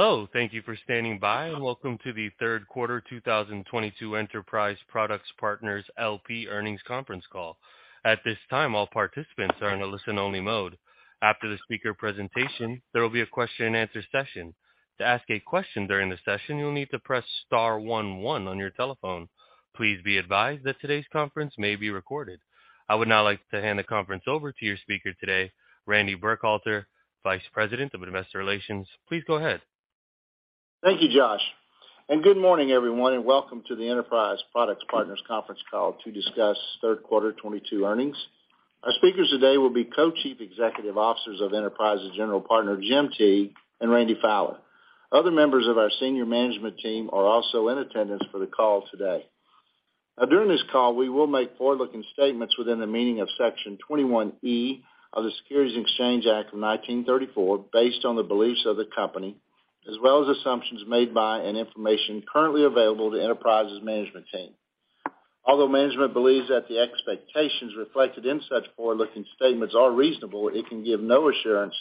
Hello. Thank you for standing by, and welcome to the third quarter 2022 Enterprise Products Partners L.P. earnings conference call. At this time, all participants are in a listen-only mode. After the speaker presentation, there will be a question-and-answer session. To ask a question during the session, you'll need to press star one one on your telephone. Please be advised that today's conference may be recorded. I would now like to hand the conference over to your speaker today, Randy Burkhalter, Vice President of Investor Relations. Please go ahead. Thank you, Josh, and good morning, everyone, and welcome to the Enterprise Products Partners conference call to discuss third quarter 2022 earnings. Our speakers today will be Co-Chief Executive Officers of Enterprise's general partner, Jim Teague and Randy Fowler. Other members of our senior management team are also in attendance for the call today. Now, during this call, we will make forward-looking statements within the meaning of Section 21E of the Securities Exchange Act of 1934 based on the beliefs of the company, as well as assumptions made by and information currently available to Enterprise's management team. Although management believes that the expectations reflected in such forward-looking statements are reasonable, it can give no assurance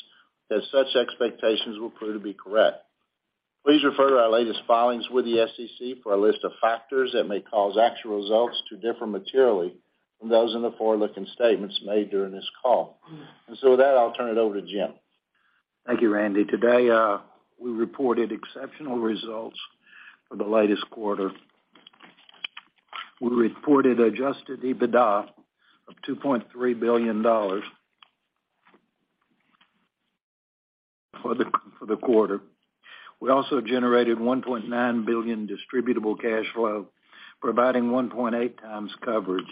that such expectations will prove to be correct. Please refer to our latest filings with the SEC for a list of factors that may cause actual results to differ materially from those in the forward-looking statements made during this call. With that, I'll turn it over to Jim. Thank you, Randy. Today we reported exceptional results for the latest quarter. We reported adjusted EBITDA of $2.3 billion for the quarter. We also generated $1.9 billion distributable cash flow, providing 1.8 times coverage.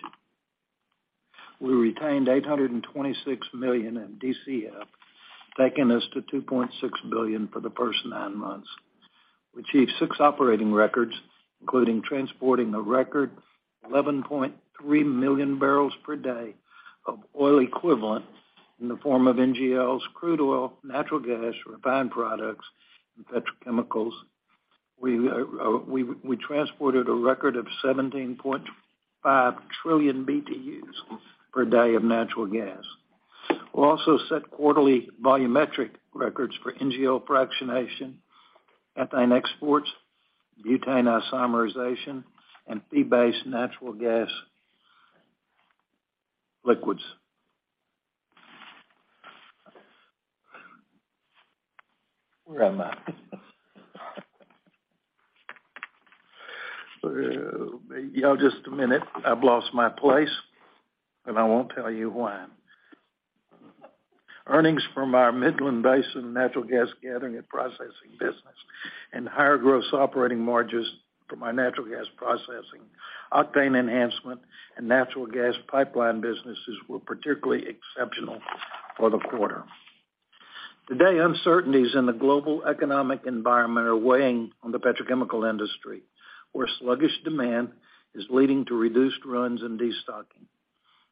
We retained $826 million in DCF, taking us to $2.6 billion for the first nine months. We achieved six operating records, including transporting a record 11.3 million barrels per day of oil equivalent in the form of NGLs, crude oil, natural gas, refined products, and petrochemicals. We transported a record of 17.5 trillion BTUs per day of natural gas. We also set quarterly volumetric records for NGL fractionation, ethane exports, butane isomerization, and fee-based natural gas liquids. Where am I? Yeah, just a minute. I've lost my place, and I won't tell you when. Earnings from our Midland Basin natural gas gathering and processing business and higher gross operating margins from our natural gas processing, octane enhancement, and natural gas pipeline businesses were particularly exceptional for the quarter. Today, uncertainties in the global economic environment are weighing on the petrochemical industry, where sluggish demand is leading to reduced runs and destocking.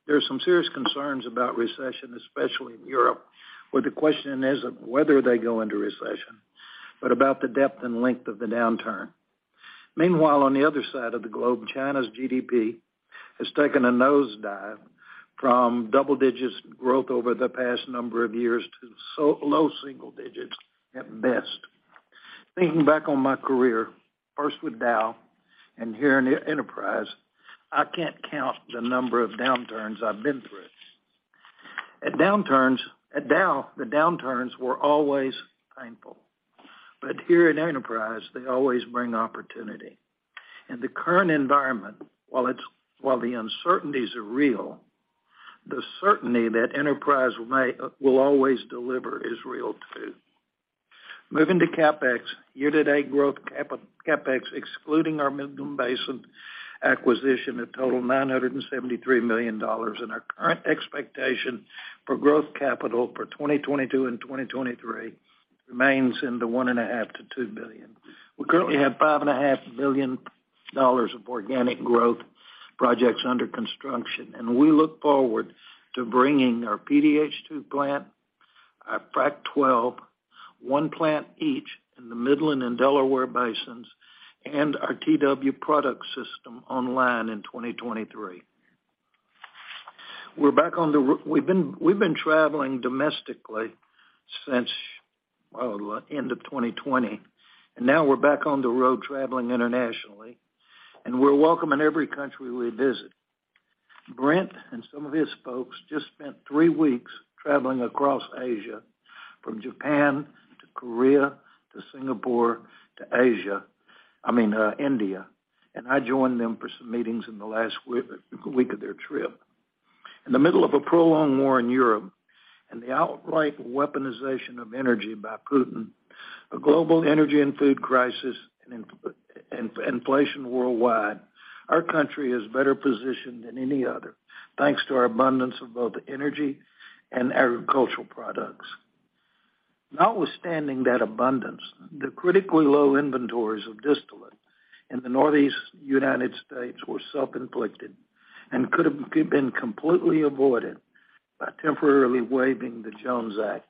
There are some serious concerns about recession, especially in Europe, where the question isn't whether they go into recession, but about the depth and length of the downturn. Meanwhile, on the other side of the globe, China's GDP has taken a nosedive from double digits growth over the past number of years to low single digits at best. Thinking back on my career, first with Dow and here in the Enterprise, I can't count the number of downturns I've been through. At Dow, the downturns were always painful. Here at Enterprise, they always bring opportunity. In the current environment, while the uncertainties are real, the certainty that Enterprise may, will always deliver is real too. Moving to CapEx. Year-to-date growth CapEx, excluding our Midland Basin acquisition, a total $973 million, and our current expectation for growth capital for 2022 and 2023 remains in the $1.5 billion-$2 billion. We currently have $5.5 billion of organic growth projects under construction, and we look forward to bringing our PDH 2 plant, our Frac 12, one plant each in the Midland and Delaware basins, and our TW Products System online in 2023. We've been traveling domestically since, oh, end of 2020, and now we're back on the road traveling internationally, and we're welcome in every country we visit. Brent and some of his folks just spent three weeks traveling across Asia from Japan to Korea to Singapore to Asia, I mean, India, and I joined them for some meetings in the last week of their trip. In the middle of a prolonged war in Europe and the outright weaponization of energy by Putin, a global energy and food crisis, and inflation worldwide, our country is better positioned than any other, thanks to our abundance of both energy and agricultural products. Notwithstanding that abundance, the critically low inventories of distillate in the Northeast United States were self-inflicted and could have been completely avoided by temporarily waiving the Jones Act.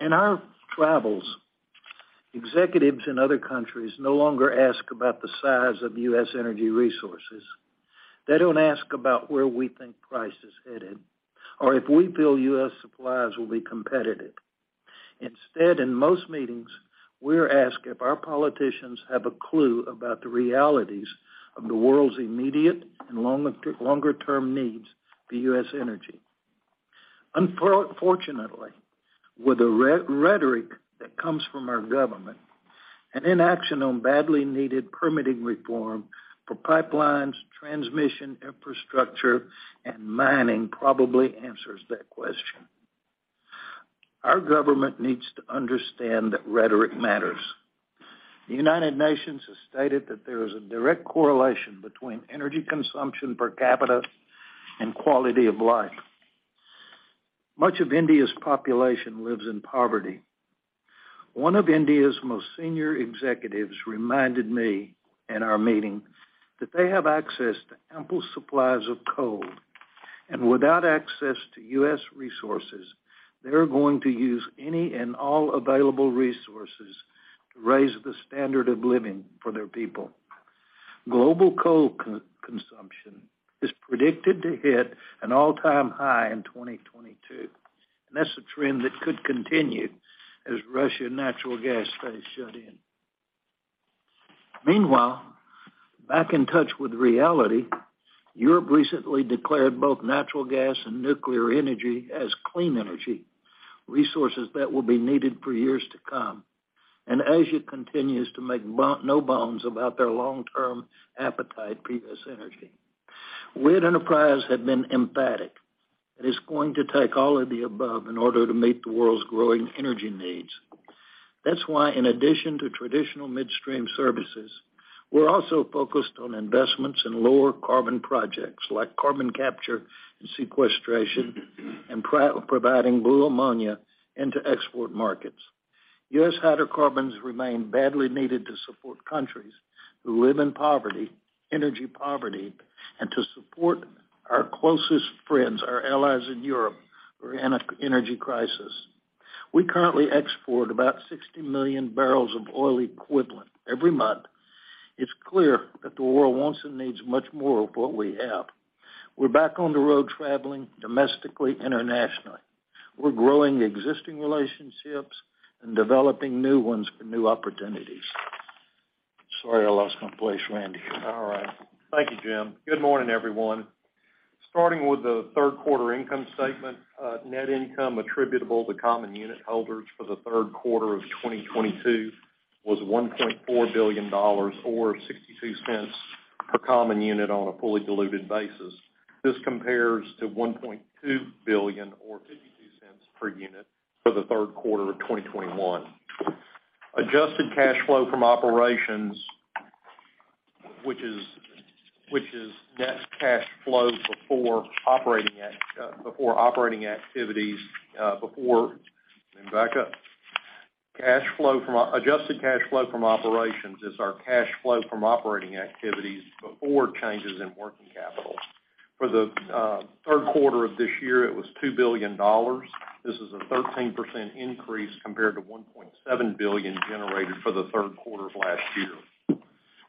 In our travels, executives in other countries no longer ask about the size of U.S. energy resources. They don't ask about where we think price is headed or if we feel U.S. suppliers will be competitive. Instead, in most meetings, we're asked if our politicians have a clue about the realities of the world's immediate and longer term needs for U.S. energy. Unfortunately, with the rhetoric that comes from our government and inaction on badly needed permitting reform for pipelines, transmission, infrastructure, and mining probably answers that question. Our government needs to understand that rhetoric matters. The United Nations has stated that there is a direct correlation between energy consumption per capita and quality of life. Much of India's population lives in poverty. One of India's most senior executives reminded me in our meeting that they have access to ample supplies of coal, and without access to U.S. resources, they're going to use any and all available resources to raise the standard of living for their people. Global coal consumption is predicted to hit an all-time high in 2022, and that's a trend that could continue as Russian natural gas stays shut in. Meanwhile, back in touch with reality, Europe recently declared both natural gas and nuclear energy as clean energy, resources that will be needed for years to come. Asia continues to make no bones about their long-term appetite for U.S. energy. We at Enterprise have been emphatic that it's going to take all of the above in order to meet the world's growing energy needs. That's why in addition to traditional midstream services, we're also focused on investments in lower carbon projects like carbon capture and sequestration, and providing blue ammonia into export markets. U.S. hydrocarbons remain badly needed to support countries who live in poverty, energy poverty, and to support our closest friends, our allies in Europe who are in an energy crisis. We currently export about 60 million barrels of oil equivalent every month. It's clear that the world wants and needs much more of what we have. We're back on the road traveling domestically, internationally. We're growing existing relationships and developing new ones for new opportunities. Sorry, I lost my place, Randy. All right. Thank you, Jim. Good morning, everyone. Starting with the third quarter income statement, net income attributable to common unit holders for the third quarter of 2022 was $1.4 billion or $0.62 per common unit on a fully diluted basis. This compares to $1.2 billion or $0.52 per unit for the third quarter of 2021. Adjusted cash flow from operations is our cash flow from operating activities before changes in working capital. For the third quarter of this year, it was $2 billion. This is a 13% increase compared to $1.7 billion generated for the third quarter of last year.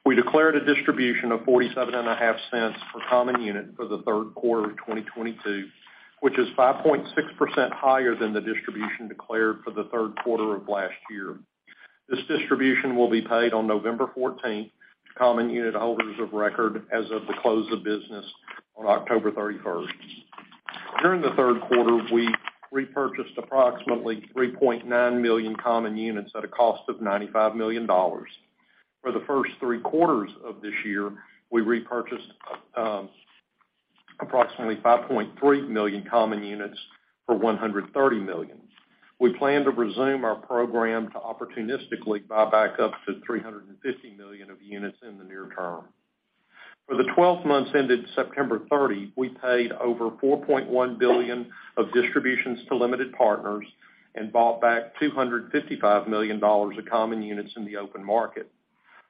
We declared a distribution of 47 and a half cents per common unit for the third quarter of 2022, which is 5.6% higher than the distribution declared for the third quarter of last year. This distribution will be paid on November fourteenth to common unit holders of record as of the close of business on October thirty-first. During the third quarter, we repurchased approximately 3.9 million common units at a cost of $95 million. For the first three quarters of this year, we repurchased approximately 5.3 million common units for $130 million. We plan to resume our program to opportunistically buy back up to 350 million of units in the near term. For the 12 months ended September 30, we paid over $4.1 billion of distributions to limited partners and bought back $255 million of common units in the open market.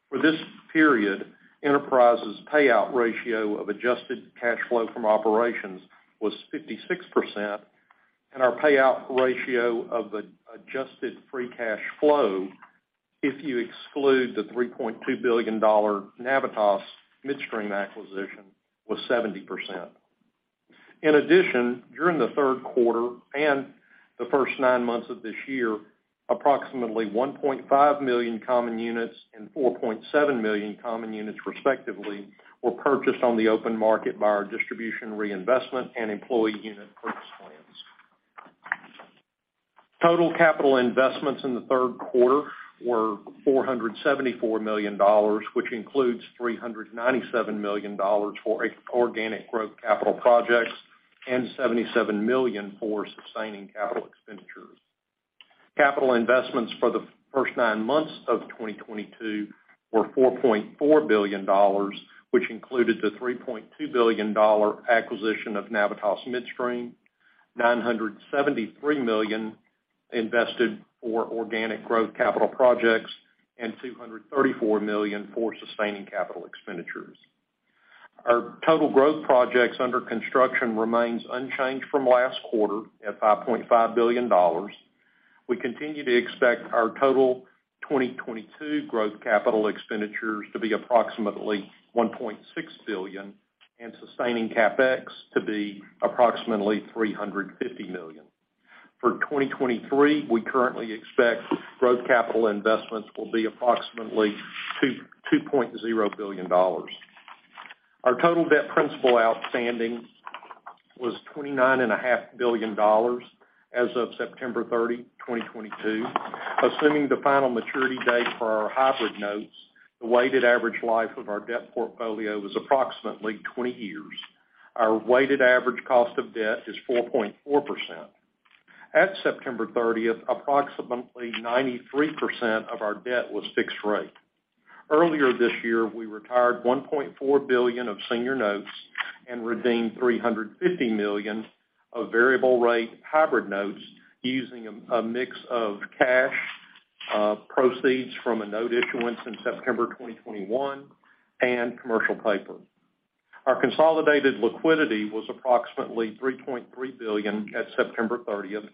For this period, Enterprise's payout ratio of adjusted cash flow from operations was 56%, and our payout ratio of the adjusted free cash flow, if you exclude the $3.2 billion Navitas Midstream acquisition, was 70%. In addition, during the third quarter and the first nine months of this year, approximately 1.5 million common units and 4.7 million common units respectively were purchased on the open market by our distribution reinvestment and employee unit purchase plans. Total capital investments in the third quarter were $474 million, which includes $397 million for organic growth capital projects and $77 million for sustaining capital expenditures. Capital investments for the first nine months of 2022 were $4.4 billion, which included the $3.2 billion acquisition of Navitas Midstream, $973 million invested for organic growth capital projects, and $234 million for sustaining capital expenditures. Our total growth projects under construction remains unchanged from last quarter at $5.5 billion. We continue to expect our total 2022 growth capital expenditures to be approximately $1.6 billion and sustaining CapEx to be approximately $350 million. For 2023, we currently expect growth capital investments will be approximately $2.0 billion. Our total debt principal outstanding was $29 and a half billion as of September 30, 2022. Assuming the final maturity date for our hybrid notes, the weighted average life of our debt portfolio was approximately 20 years. Our weighted average cost of debt is 4.4%. At September 30th, approximately 93% of our debt was fixed rate. Earlier this year, we retired $1.4 billion of senior notes and redeemed $350 million of variable rate hybrid notes using a mix of cash proceeds from a note issuance in September 2021 and commercial paper. Our consolidated liquidity was approximately $3.3 billion at September 30th,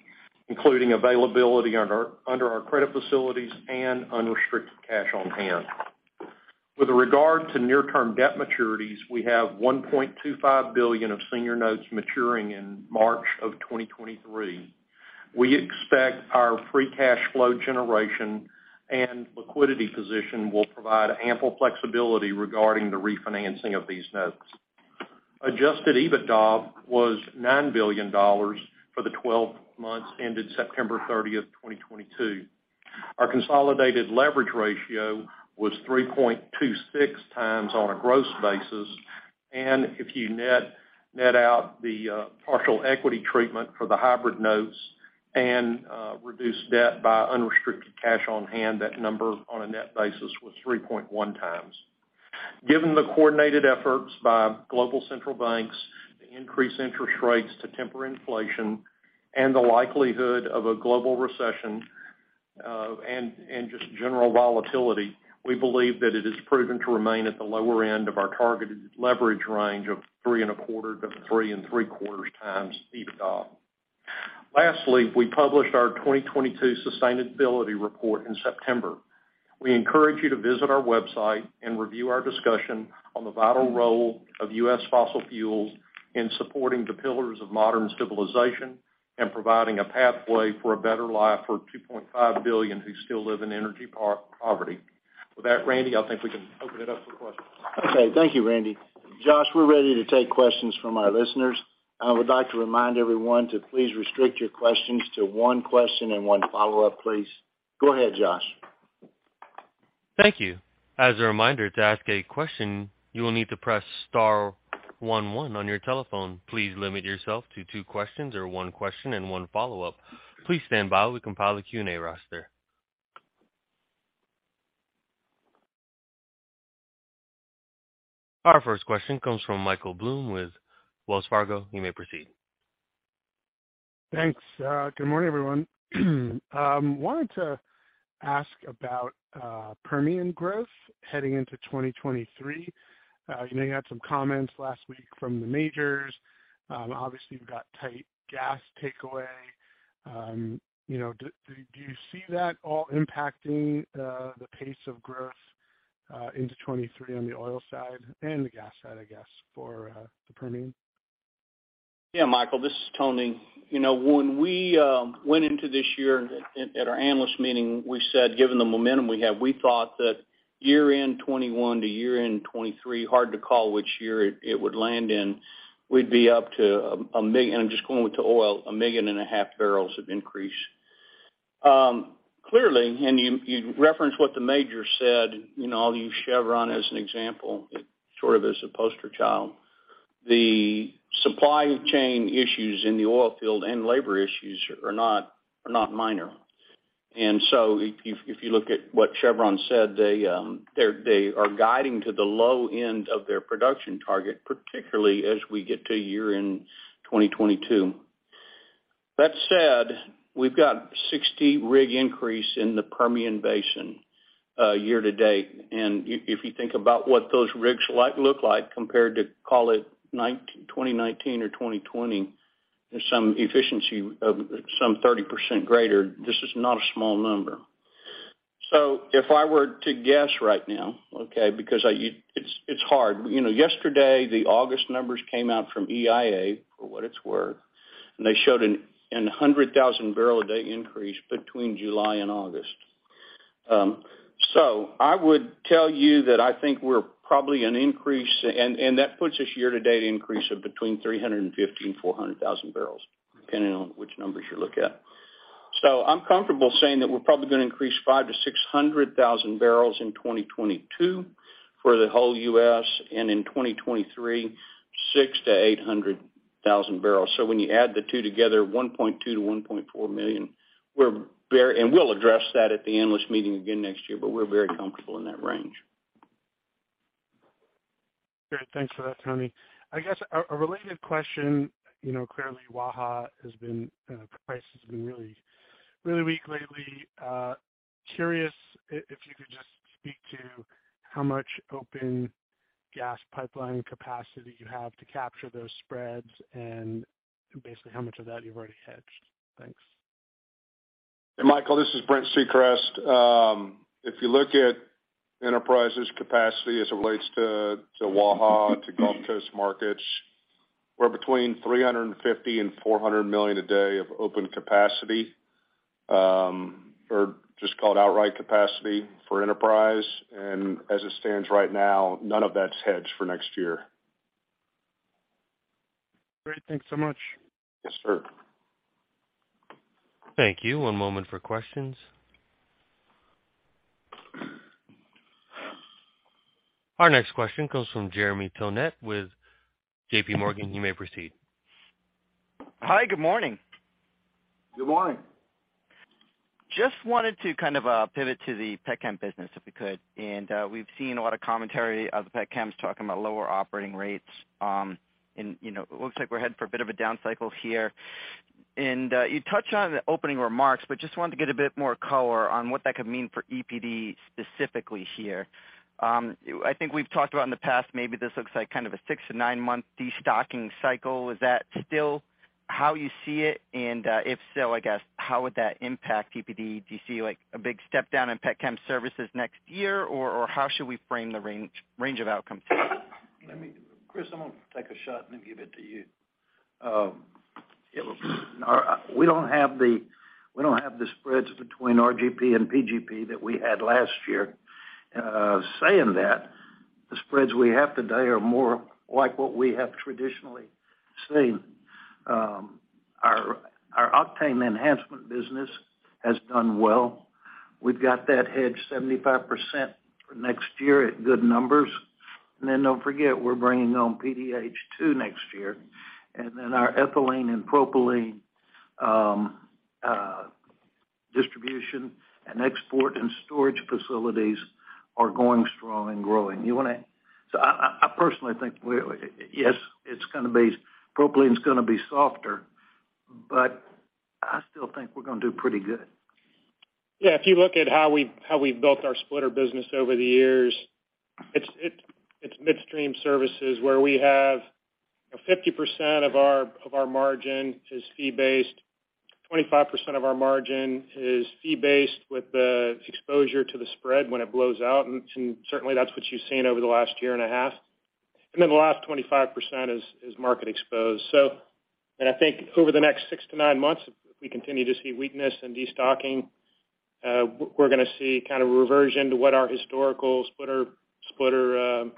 including availability under our credit facilities and unrestricted cash on hand. With regard to near-term debt maturities, we have $1.25 billion of senior notes maturing in March 2023. We expect our free cash flow generation and liquidity position will provide ample flexibility regarding the refinancing of these notes. Adjusted EBITDA was $9 billion for the twelve months ended September 30, 2022. Our consolidated leverage ratio was 3.26 times on a gross basis. If you net out the partial equity treatment for the hybrid notes and reduce debt by unrestricted cash on hand, that number on a net basis was 3.1 times. Given the coordinated efforts by global central banks to increase interest rates to temper inflation and the likelihood of a global recession, we believe that it is prudent to remain at the lower end of our targeted leverage range of 3.25-3.75 times EBITDA. Lastly, we published our 2022 sustainability report in September. We encourage you to visit our website and review our discussion on the vital role of U.S. fossil fuels in supporting the pillars of modern civilization and providing a pathway for a better life for 2.5 billion who still live in energy poverty. With that, Randy, I think we can open it up for questions. Okay. Thank you, Randy. Josh, we're ready to take questions from our listeners. I would like to remind everyone to please restrict your questions to one question and one follow-up, please. Go ahead, Josh. Thank you. As a reminder, to ask a question, you will need to press star one one on your telephone. Please limit yourself to two questions or one question and one follow-up. Please stand by while we compile the Q&A roster. Our first question comes from Michael Blum with Wells Fargo. You may proceed. Thanks. Good morning, everyone. Wanted to ask about Permian growth heading into 2023. You may have had some comments last week from the majors. Obviously, you've got tight gas takeaway. You know, did you see that all impacting the pace of growth into 2023 on the oil side and the gas side, I guess, for the Permian? Yeah, Michael, this is Tony. You know, when we went into this year at our analyst meeting, we said, given the momentum we have, we thought that year-end 2021 to year-end 2023, hard to call which year it would land in, we'd be up to 1 million. I'm just going with the oil, 1.5 million barrels of increase. Clearly, you referenced what the majors said I'll use Chevron as an example, sort of as a poster child. The supply chain issues in the oil field and labor issues are not minor. If you look at what Chevron said, they are guiding to the low end of their production target, particularly as we get to year-end 2022. That said, we've got 60 rig increase in the Permian Basin year to date. If you think about what those rigs look like compared to call it 2019 or 2020, there's some efficiency of some 30% greater. This is not a small number. If I were to guess right now, okay, because it's hard. You know, yesterday, the August numbers came out from EIA, for what it's worth, and they showed a 100,000 barrel a day increase between July and August. I would tell you that I think we're probably an increase and that puts us year-to-date increase of between 350 and 400 thousand barrels, depending on which numbers you look at. I'm comfortable saying that we're probably gonna increase 500,000-600,000 barrels in 2022 for the whole U.S. and in 2023, 600,000-800,000 barrels. When you add the two together, 1.2-1.4 million. We'll address that at the analyst meeting again next year, but we're very comfortable in that range. Great. Thanks for that, Tony. I guess a related question. You know, clearly, Waha price has been really weak lately. Curious if you could just speak to how much open gas pipeline capacity you have to capture those spreads, and basically how much of that you've already hedged. Thanks. Hey, Michael, this is Brent Secrest. If you look at Enterprise's capacity as it relates to Waha, to Gulf Coast markets, we're between 350 and 400 million a day of open capacity, or just call it outright capacity for Enterprise. As it stands right now, none of that's hedged for next year. Great. Thanks so much. Yes, sir. Thank you. One moment for questions. Our next question comes from Jeremy Tonet with JPMorgan. You may proceed. Hi. Good morning. Good morning. Just wanted to kind of pivot to the pet chem business, if we could. We've seen a lot of commentary of pet chems talking about lower operating rates. You know, it looks like we're heading for a bit of a down cycle here. You touched on it in the opening remarks, but just wanted to get a bit more color on what that could mean for EPD specifically here. I think we've talked about in the past, maybe this looks like kind of a 6-9 month destocking cycle. Is that still how you see it? If so, I guess, how would that impact EPD? Do you see like a big step down in pet chem services next year, or how should we frame the range of outcomes? Chris, I'm gonna take a shot and then give it to you. We don't have the spreads between RGP and PGP that we had last year. Saying that, the spreads we have today are more like what we have traditionally seen. Our octane enhancement business has done well. We've got that hedged 75% for next year at good numbers. Don't forget, we're bringing on PDH 2 next year. Our ethylene and propylene distribution and export and storage facilities are going strong and growing. I personally think propylene is gonna be softer, but I still think we're gonna do pretty good. Yeah. If you look at how we've built our splitter business over the years, it's midstream services where we have 50% of our margin is fee-based, 25% of our margin is fee-based with the exposure to the spread when it blows out, and certainly that's what you've seen over the last year and a half. The last 25% is market exposed. I think over the next 6 to 9 months, if we continue to see weakness and destocking, we're gonna see kind of reversion to what our historical splitter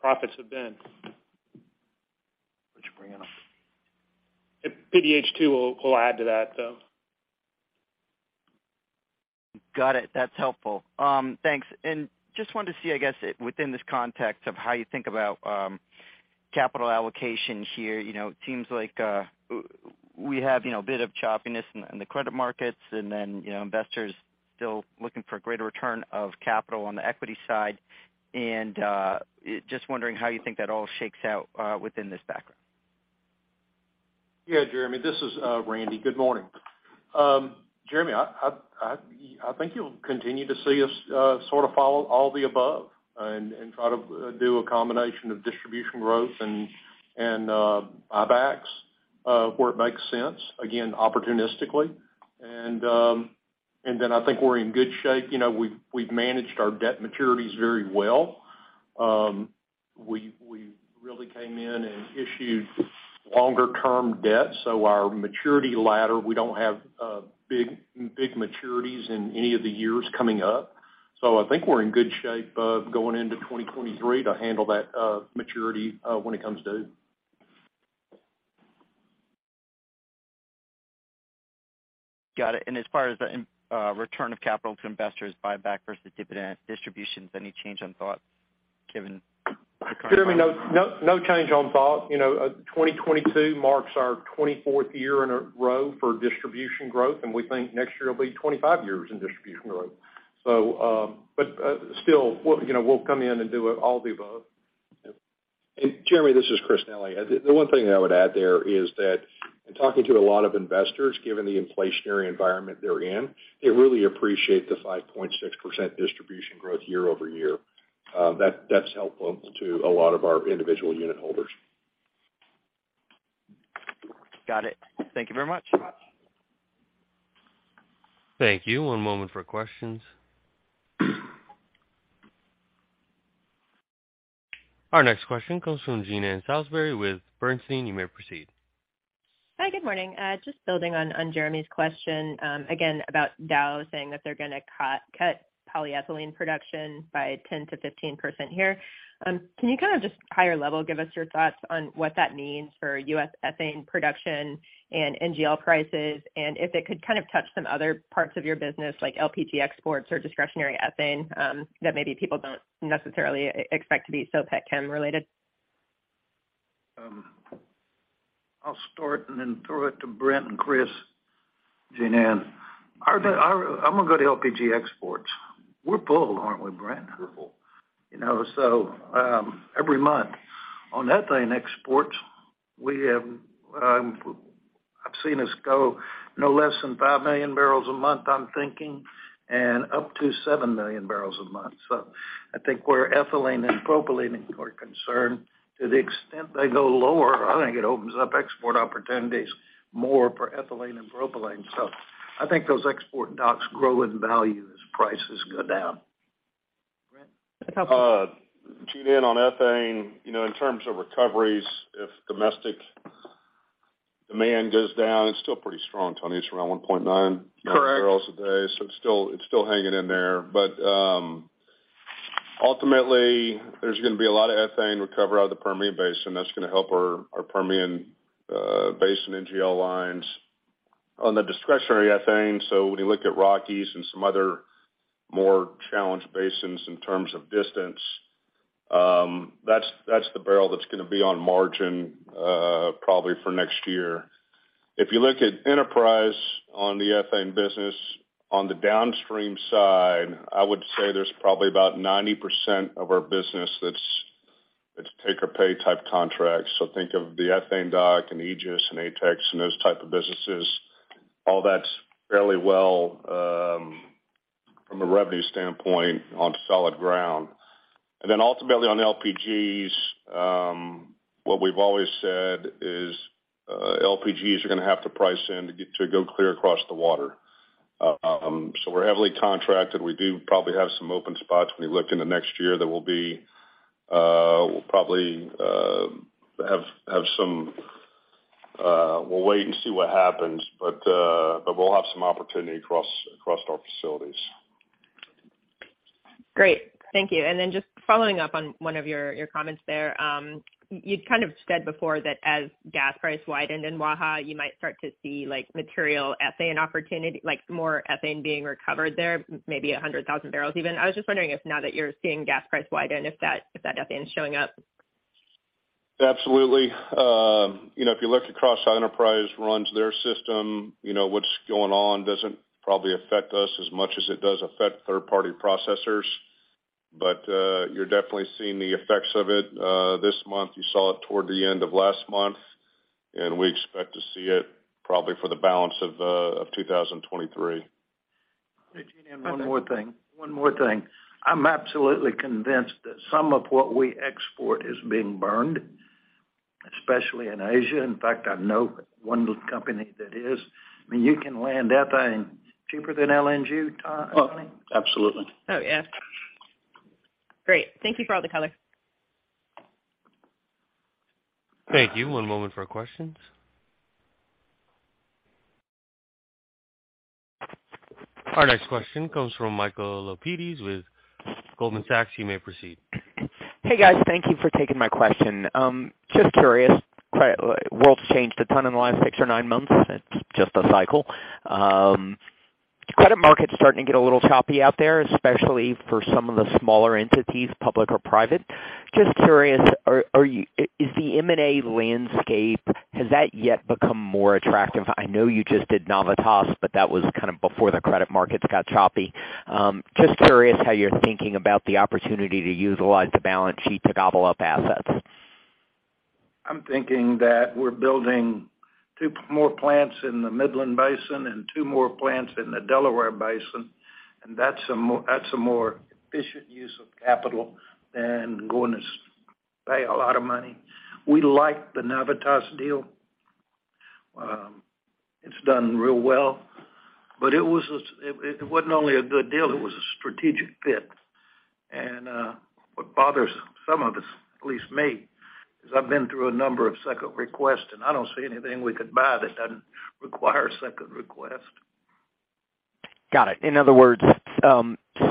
profits have been. What you bringing up? PDH 2 will add to that, so. Got it. That's helpful. Thanks. Just wanted to see, I guess, within this context of how you think about capital allocation here. You know, it seems like we have a bit of choppiness in the credit markets, and then investors still looking for a greater return of capital on the equity side. Just wondering how you think that all shakes out within this background. Yeah, Jeremy, this is Randy. Good morning. Jeremy, I think you'll continue to see us sort of follow all the above and try to do a combination of distribution growth and buybacks where it makes sense, again, opportunistically. Then I think we're in good shape. You know, we've managed our debt maturities very well. We really came in and issued longer term debt, so our maturity ladder, we don't have big maturities in any of the years coming up. I think we're in good shape going into 2023 to handle that maturity when it comes due. Got it. As far as the return of capital to investors, buyback versus dividend distributions, any change on thought given the current environment? Jeremy, no change on thought. You know, 2022 marks our 24th year in a row for distribution growth, and we think next year will be 25 years in distribution growth. still we'll come in and do all the above. Jeremy, this is Chris Nelly The one thing that I would add there is that in talking to a lot of investors, given the inflationary environment they're in, they really appreciate the 5.6% distribution growth year-over-year. That's helpful to a lot of our individual unit holders. Got it. Thank you very much. Thank you. One moment for questions. Our next question comes from Jean Ann Salisbury with Bernstein. You may proceed. Hi. Good morning. Just building on Jeremy's question, again about Dow saying that they're gonna cut polyethylene production by 10%-15% here. Can you kind of just high level give us your thoughts on what that means for U.S. ethane production and NGL prices? And if it could kind of touch some other parts of your business, like LPG exports or discretionary ethane, that maybe people don't necessarily expect to be so pet chem related. I'll start and then throw it to Brent and Chris. Jean Ann, I'm gonna go to LPG exports. We're full, aren't we, Brent? We're pulled. You know, every month on ethane exports, we have, I've seen us go no less than 5 million barrels a month, I'm thinking, and up to 7 million barrels a month. I think where ethylene and propylene are concerned, to the extent they go lower, I think it opens up export opportunities more for ethylene and propylene. I think those export docks grow in value as prices go down. Brent. Tune in on ethane. You know, in terms of recoveries, if domestic demand goes down, it's still pretty strong, Tony. It's around 1.9- Correct. barrels a day, so it's still hanging in there. Ultimately, there's gonna be a lot of ethane recovery out of the Permian Basin. That's gonna help our Permian basin NGL lines. On the discretionary ethane, so when you look at Rockies and some other more challenged basins in terms of distance, that's the barrel that's gonna be on margin, probably for next year. If you look at Enterprise on the ethane business, on the downstream side, I would say there's probably about 90% of our business that's take or pay type contracts. So think of the ethane dock and Aegis and ATEX and those type of businesses. All that's fairly well, from a revenue standpoint, on solid ground. Ultimately on LPGs, what we've always said is, LPGs are gonna have to price in to go clear across the water. We're heavily contracted. We do probably have some open spots when we look into next year that will be, we'll probably have some, we'll wait and see what happens, but we'll have some opportunity across our facilities. Great. Thank you. Just following up on one of your comments there, you kind of said before that as gas price widened in Waha, you might start to see, like, material ethane opportunity, like, more ethane being recovered there, maybe 100,000 barrels even. I was just wondering if now that you're seeing gas price widen, if that ethane is showing up? Absolutely. You know, if you look across how Enterprise runs their system what's going on doesn't probably affect us as much as it does affect third-party processors. You're definitely seeing the effects of it this month. You saw it toward the end of last month, and we expect to see it probably for the balance of 2023. Hey, Jean Ann, one more thing. I'm absolutely convinced that some of what we export is being burned, especially in Asia. In fact, I know one company that is. I mean, you can land ethane cheaper than LNG, Tony? Oh, absolutely. Oh, yeah. Great. Thank you for all the color. Thank you. One moment for questions. Our next question comes from Michael Lapides with Goldman Sachs. You may proceed. Hey, guys. Thank you for taking my question. Just curious. The world's changed a ton in the last 6 or 9 months. It's just a cycle. Credit markets are starting to get a little choppy out there, especially for some of the smaller entities, public or private. Just curious, is the M&A landscape, has that yet become more attractive? I know you just did Navitas, but that was kind of before the credit markets got choppy. Just curious how you're thinking about the opportunity to utilize the balance sheet to gobble up assets. I'm thinking that we're building 2 more plants in the Midland Basin and 2 more plants in the Delaware Basin, and that's a more efficient use of capital than going to pay a lot of money. We like the Navitas deal. It's done real well, but it wasn't only a good deal, it was a strategic fit. What bothers some of us, at least me, is I've been through a number of second requests, and I don't see anything we could buy that doesn't require a second request. Got it. In other words,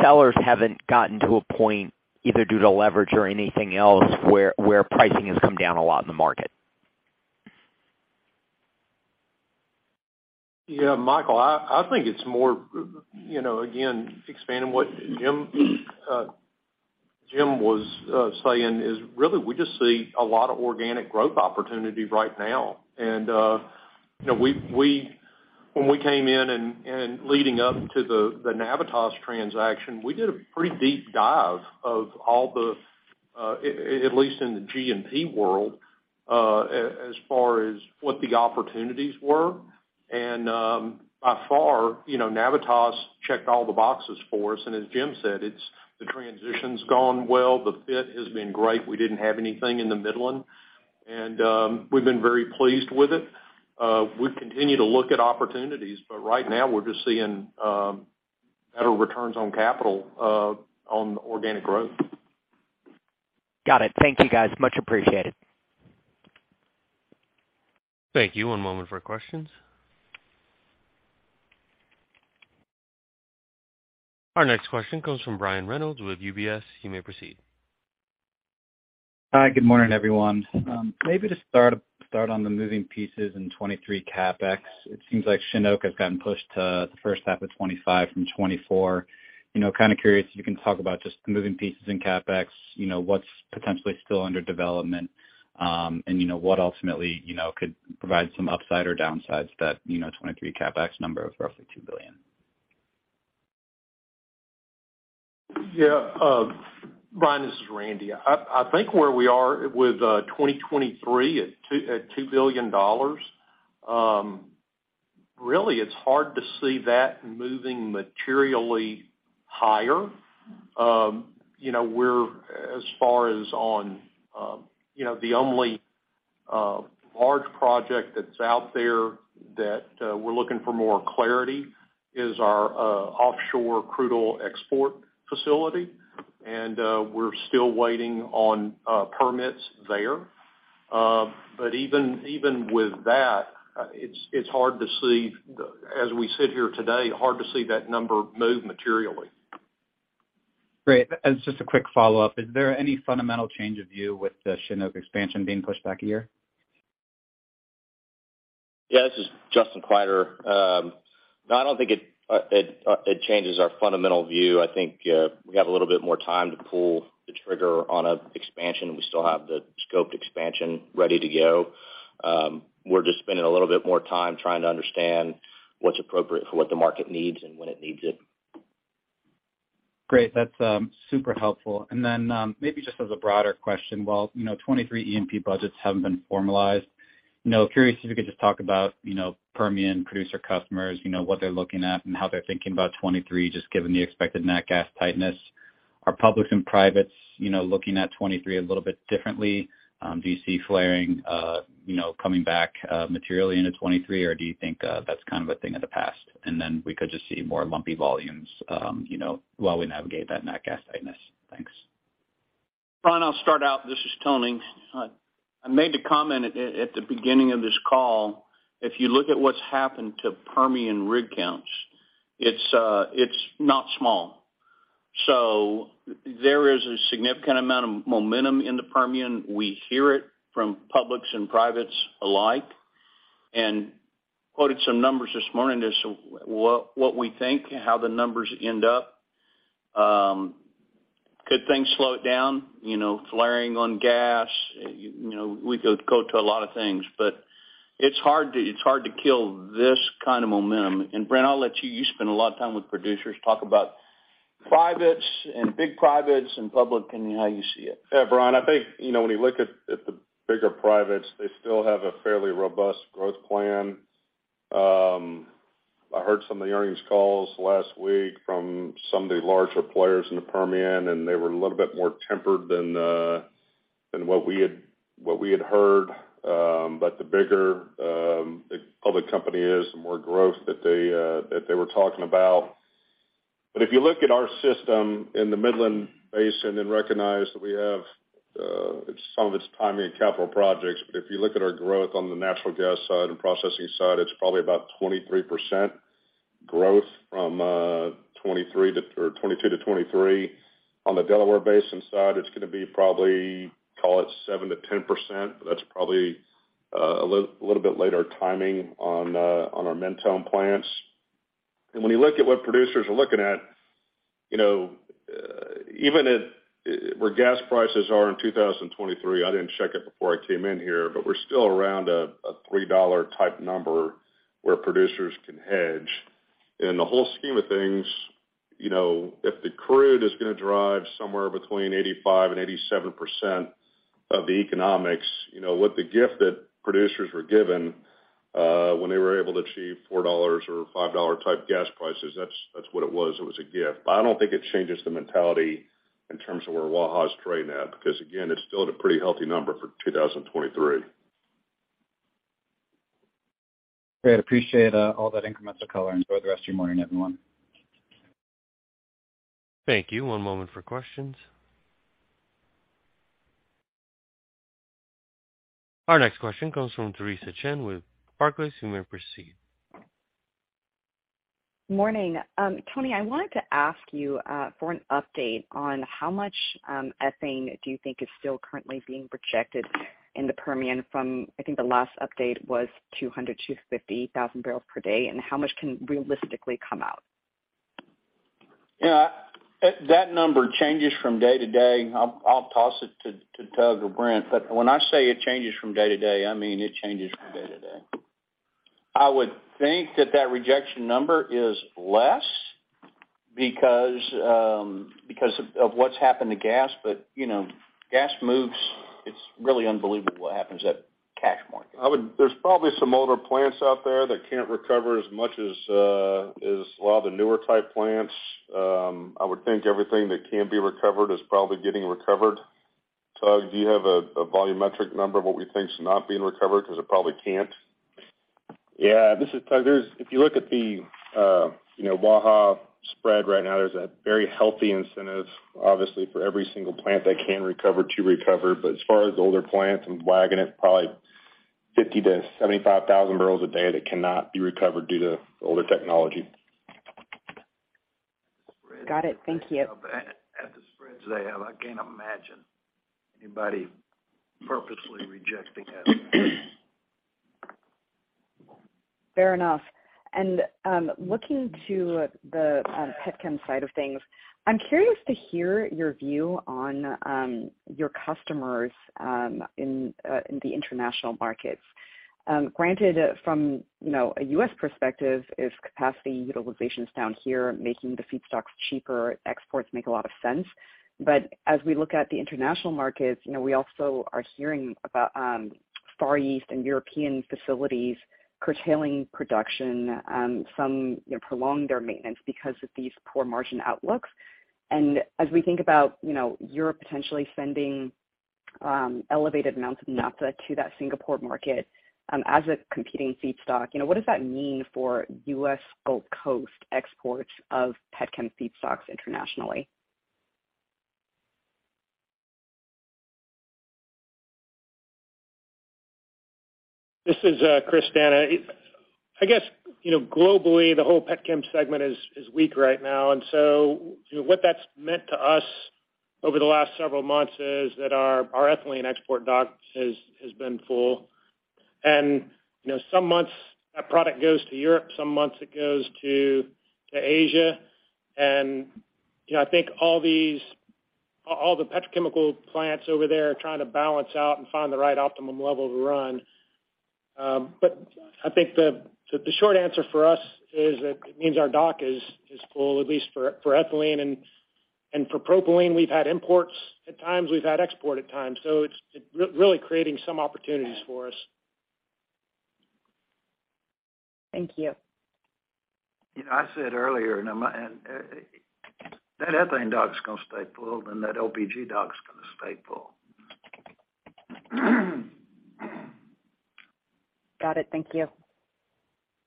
sellers haven't gotten to a point, either due to leverage or anything else, where pricing has come down a lot in the market. Yeah, Michael, I think it's more again, expanding what Jim was saying is really we just see a lot of organic growth opportunity right now. You know, when we came in and leading up to the Navitas transaction, we did a pretty deep dive of all the, at least in the G&P world, as far as what the opportunities were. By far Navitas checked all the boxes for us. As Jim said, it's the transition's gone well. The fit has been great. We didn't have anything in the Midland, and we've been very pleased with it. We continue to look at opportunities, but right now we're just seeing better returns on capital on organic growth. Got it. Thank you, guys. Much appreciated. Thank you. One moment for questions. Our next question comes from Brian Reynolds with UBS. You may proceed. Hi. Good morning, everyone. Maybe to start on the moving pieces in 2023 CapEx. It seems like Chinook has gotten pushed to the H1 of 2025 from 2024. You know, kind of curious if you can talk about just the moving pieces in capex what's potentially still under development, and what ultimately could provide some upside or downsides to that 2023 CapEx number of roughly $2 billion. Yeah, Brian, this is Randy. I think where we are with 2023 at $2 billion, really it's hard to see that moving materially higher. You know, we're as far as on the only large project that's out there that we're looking for more clarity is our offshore crude oil export facility, and we're still waiting on permits there. Even with that, it's hard to see as we sit here today, hard to see that number move materially. Great. Just a quick follow-up. Is there any fundamental change of view with the Chinook expansion being pushed back a year? Yeah, this is Justin Kleiderer. No, I don't think it changes our fundamental view. I think we have a little bit more time to pull the trigger on a expansion. We still have the scoped expansion ready to go. We're just spending a little bit more time trying to understand what's appropriate for what the market needs and when it needs it. Great. That's super helpful. Maybe just as a broader question. while 2023 E&P budgets haven't been formalized curious if you could just talk about Permian producer customers what they're looking at and how they're thinking about 2023, just given the expected nat gas tightness. Are publics and privates looking at 2023 a little bit differently? Do you see flaring coming back materially into 2023, or do you think that's kind of a thing of the past, and then we could just see more lumpy volumes while we navigate that nat gas tightness? Thanks. Brian, I'll start out. This is Tony. I made the comment at the beginning of this call. If you look at what's happened to Permian rig counts, it's not small. There is a significant amount of momentum in the Permian. We hear it from publics and privates alike, and quoted some numbers this morning as what we think, how the numbers end up. Could things slow it down? You know, flaring on gas we could go to a lot of things, but it's hard to kill this kind of momentum. Brent, I'll let you. You spend a lot of time with producers. Talk about privates and big privates and public and how you see it. Yeah, Brian, I think when you look at the bigger privates, they still have a fairly robust growth plan. I heard some of the earnings calls last week from some of the larger players in the Permian, and they were a little bit more tempered than what we had heard. The bigger the public company is, the more growth that they were talking about. If you look at our system in the Midland Basin and recognize that we have some of it is timing and capital projects, but if you look at our growth on the natural gas side and processing side, it's probably about 23% growth from 2022 to 2023. On the Delaware Basin side, it's gonna be probably, call it 7%-10%. That's probably a little bit later timing on our Mentone plants. When you look at what producers are looking at even at where gas prices are in 2023, I didn't check it before I came in here, but we're still around a $3-type number where producers can hedge. In the whole scheme of things if the crude is gonna drive somewhere between 85% and 87% of the economics with the gift that producers were given, when they were able to achieve $4 or $5-type gas prices, that's what it was. It was a gift. I don't think it changes the mentality in terms of where Waha's trading at, because again, it's still at a pretty healthy number for 2023. Great. Appreciate all that incremental color. Enjoy the rest of your morning, everyone. Thank you. One moment for questions. Our next question comes from Theresa Chen with Barclays. You may proceed. Morning. Tony, I wanted to ask you for an update on how much ethane do you think is still currently being rejected in the Permian. From, I think, the last update was 200-250 thousand barrels per day, and how much can realistically come out? Yeah, that number changes from day to day. I'll toss it to Tug or Brent, but when I say it changes from day to day, I mean it changes from day to day. I would think that rejection number is less because of what's happened to gas. You know, gas moves. It's really unbelievable what happens at cash market. There's probably some older plants out there that can't recover as much as a lot of the newer type plants. I would think everything that can be recovered is probably getting recovered. Tug, do you have a volumetric number of what we think is not being recovered because it probably can't? Yeah, this is Tug. If you look at the Waha spread right now, there's a very healthy incentive, obviously, for every single plant that can recover to recover. As far as older plants, I'm wagering it probably 50-75,000 barrels a day that cannot be recovered due to older technology. Got it. Thank you. At the spreads they have, I can't imagine anybody purposely rejecting that. Fair enough. The petchem side of things. I'm curious to hear your view on your customers in the international markets. Granted from a U.S. perspective, if capacity utilization is down here, making the feedstocks cheaper, exports make a lot of sense. As we look at the international markets we also are hearing about Far East and European facilities curtailing production, some you know prolong their maintenance because of these poor margin outlooks. As we think about Europe potentially sending elevated amounts of naphtha to that Singapore market as a competing feedstock what does that mean for U.S. Gulf Coast exports of petchem feedstocks internationally? This is Chris D'Anna. I guess globally, the whole petrochemical segment is weak right now. You know, what that's meant to us over the last several months is that our ethylene export dock has been full. You know, some months that product goes to Europe, some months it goes to Asia. You know, I think all the petrochemical plants over there are trying to balance out and find the right optimum level to run. But I think the short answer for us is that it means our dock is full, at least for ethylene. For propylene, we've had imports at times, we've had exports at times. It's really creating some opportunities for us. Thank you. You know, I said earlier. That ethylene dock is gonna stay full, and that LPG dock is gonna stay full. Got it. Thank you.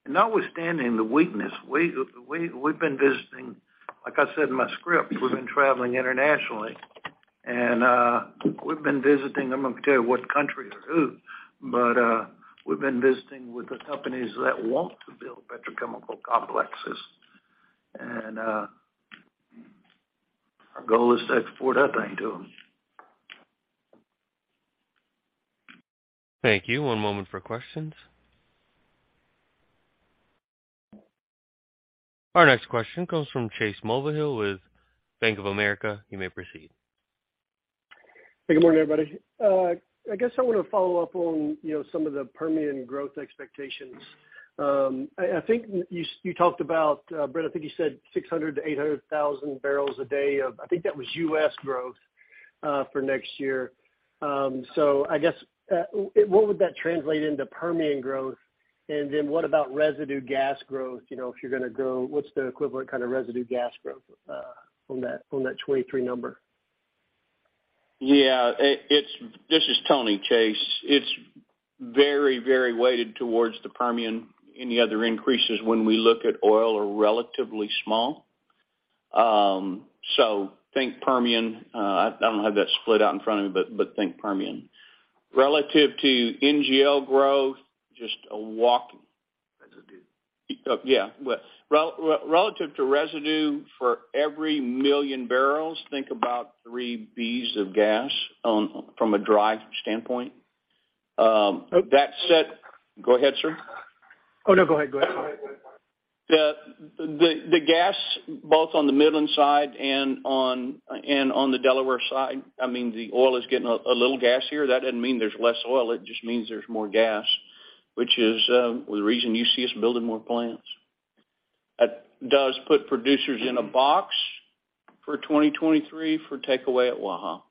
Notwithstanding the weakness, like I said in my script, we've been traveling internationally and we've been visiting with the companies that want to build petrochemical complexes. I'm not gonna tell you what country or who, but our goal is to export ethylene to them. Thank you. One moment for questions. Our next question comes from Chase Mulvihill with Bank of America. You may proceed. Hey, good morning, everybody. I guess I wanna follow up on some of the Permian growth expectations. I think you talked about, Brent, I think you said 600,000-800,000 barrels a day of, I think that was U.S. growth for next year. I guess, what would that translate into Permian growth? What about residue gas growth? You know, if you're gonna grow, what's the equivalent kind of residue gas growth from that 2023 number? This is Tony, Chase. It's very weighted towards the Permian. Any other increases when we look at oil are relatively small. Think Permian. I don't have that split out in front of me, but think Permian. Relative to NGL growth, just a walk- Residue. Yeah. Relative to residue for every million barrels, think about 3 Bs of gas from a drive standpoint. That said, go ahead, sir. Oh, no, go ahead. Go ahead. The gas, both on the Midland side and on the Delaware side, I mean, the oil is getting a little gassier. That doesn't mean there's less oil, it just means there's more gas, which is the reason you see us building more plants. That does put producers in a box for 2023 for takeaway at Waha.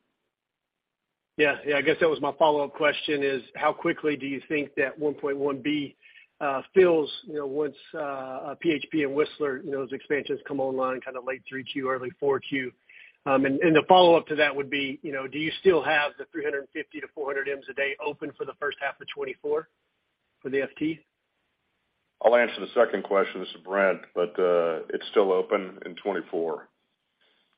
I guess that was my follow-up question is how quickly do you think that 1.1 B fills once PHP and Whistler those expansions come online kind of late 3Q, early 4Q? The follow-up to that would be, do you still have the 350-400 Ms a day open for the H1 of 2024 for the FT? I'll answer the second question. This is Brent. It's still open in 2024.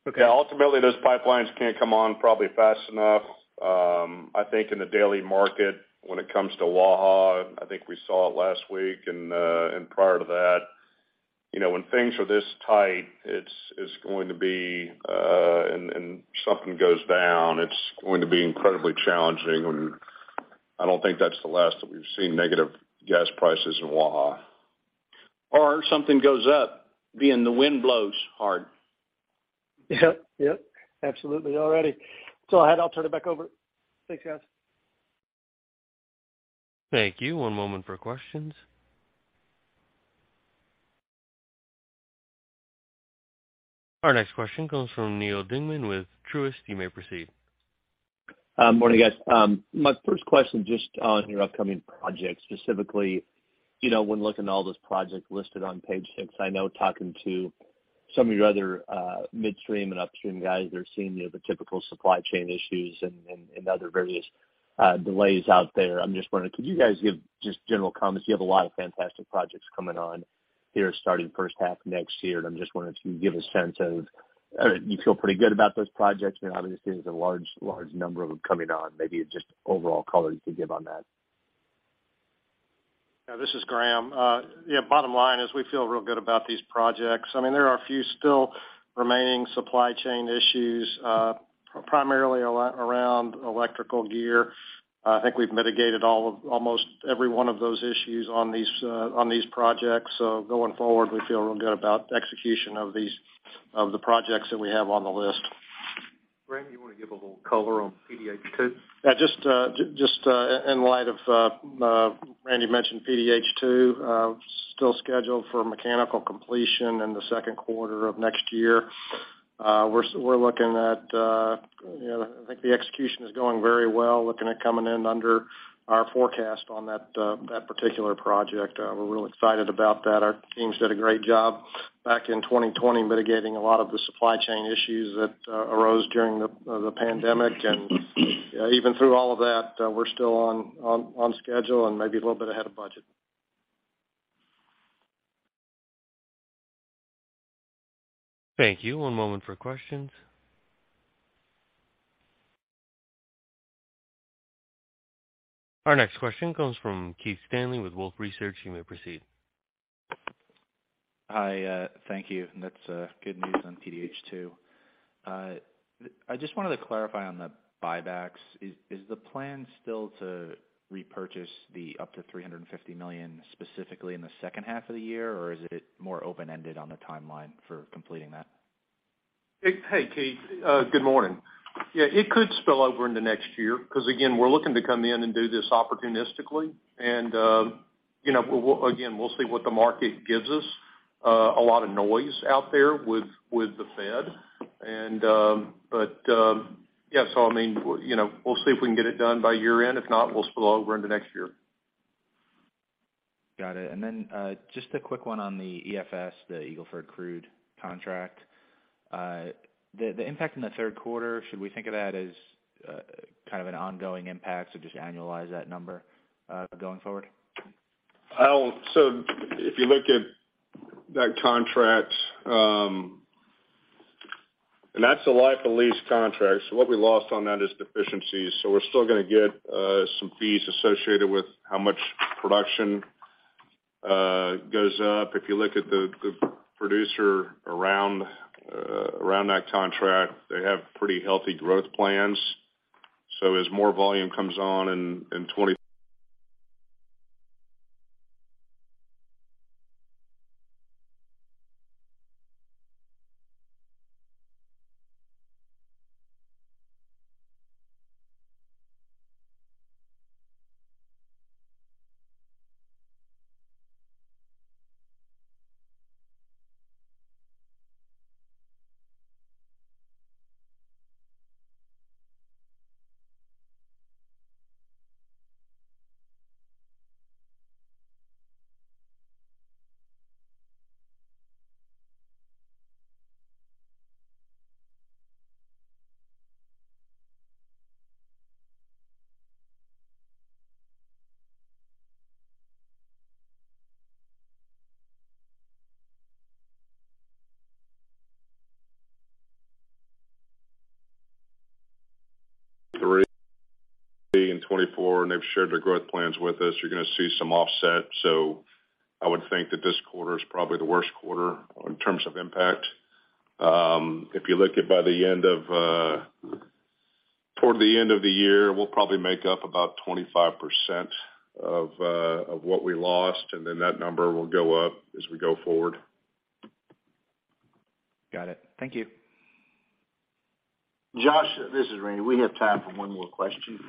Okay. Yeah. Ultimately, those pipelines can't come on probably fast enough. I think in the daily market when it comes to Waha, I think we saw it last week and prior to that. You know, when things are this tight, it's going to be and something goes down, it's going to be incredibly challenging. I don't think that's the last that we've seen negative gas prices in Waha. Something goes up when the wind blows hard. Yep. Yep. Absolutely. All righty. That's all I had. I'll turn it back over. Thanks, guys. Thank you. One moment for questions. Our next question comes from Neal Dingmann with Truist Securities. You may proceed. Morning, guys. My first question just on your upcoming projects, specifically when looking at all those projects listed on page 6. I know talking to some of your other midstream and upstream guys, they're seeing the typical supply chain issues and other various delays out there. I'm just wondering, could you guys give just general comments? You have a lot of fantastic projects coming on here starting H1 next year. I'm just wondering if you can give a sense of you feel pretty good about those projects. You know, obviously, there's a large number of them coming on. Maybe just overall color you could give on that. Yeah. This is Graham. Bottom line is we feel real good about these projects. I mean, there are a few still remaining supply chain issues, primarily around electrical gear. I think we've mitigated almost every one of those issues on these projects. Going forward, we feel real good about execution of these projects that we have on the list. Randy, you wanna give a little color on PDH, too? Yeah, just in light of Randy mentioned PDH 2, still scheduled for mechanical completion in the second quarter of next year. We're looking at I think the execution is going very well. Looking at coming in under our forecast on that particular project. We're real excited about that. Our teams did a great job back in 2020 mitigating a lot of the supply chain issues that arose during the pandemic. Even through all of that, we're still on schedule and maybe a little bit ahead of budget. Thank you. One moment for questions. Our next question comes from Keith Stanley with Wolfe Research. You may proceed. Hi. Thank you. That's good news on PDH 2. I just wanted to clarify on the buybacks. Is the plan still to repurchase up to $350 million specifically in the H2 of the year? Or is it more open-ended on the timeline for completing that? Hey, Keith, good morning. Yeah, it could spill over into next year, 'cause again, we're looking to come in and do this opportunistically and again, we'll see what the market gives us. A lot of noise out there with the Fed and, but, yeah. I mean we'll see if we can get it done by year-end. If not, we'll spill over into next year. Got it. Just a quick one on the EFS, the Eagle Ford crude contract. The impact in the third quarter, should we think of that as kind of an ongoing impact, so just annualize that number going forward? If you look at that contract, and that's a life of lease contract, what we lost on that is deficiencies. We're still gonna get some fees associated with how much production goes up. If you look at the producer around that contract, they have pretty healthy growth plans. As more volume comes on in 2023 and 2024, and they've shared their growth plans with us, you're gonna see some offset. I would think that this quarter is probably the worst quarter in terms of impact. If you look toward the end of the year, we'll probably make up about 25% of what we lost, and then that number will go up as we go forward. Got it. Thank you. Josh, this is Randy. We have time for one more question.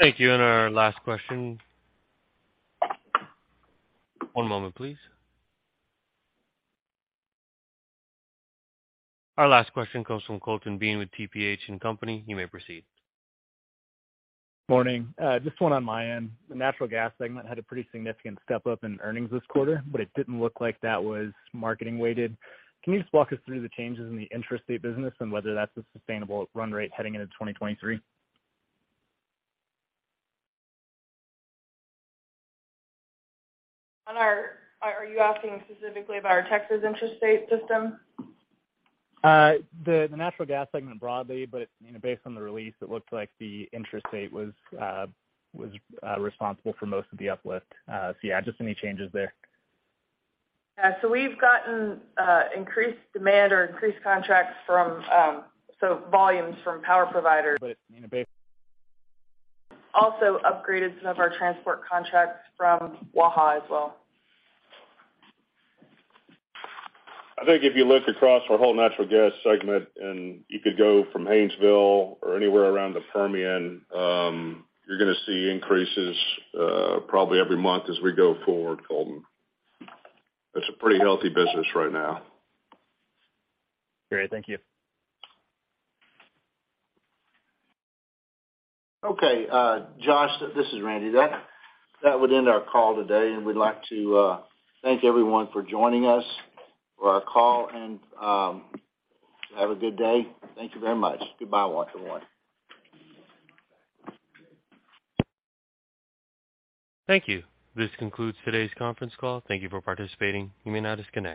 Thank you. Our last question. One moment, please. Our last question comes from Colton Bean with TPH&Co. You may proceed. Morning. Just one on my end. The natural gas segment had a pretty significant step up in earnings this quarter, but it didn't look like that was marketing weighted. Can you just walk us through the changes in the intrastate business and whether that's a sustainable run rate heading into 2023? Are you asking specifically about our Texas intrastate system? The natural gas segment broadly, but you know, based on the release, it looked like the intrastate was responsible for most of the uplift. Yeah, just any changes there. We've gotten increased demand or increased contracts from so volumes from power providers. You know, Also upgraded some of our transport contracts from Waha as well. I think if you look across our whole natural gas segment, and you could go from Haynesville or anywhere around the Permian, you're gonna see increases, probably every month as we go forward, Colton. It's a pretty healthy business right now. Great. Thank you. Okay. Josh, this is Randy. That would end our call today, and we'd like to thank everyone for joining us for our call, and have a good day. Thank you very much. Goodbye, one to one. Thank you. This concludes today's conference call. Thank you for participating. You may now disconnect.